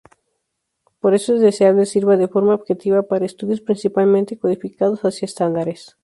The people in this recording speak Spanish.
Por eso es deseable sirva de forma 'objetiva' para estudios principalmente codificados hacia estándares.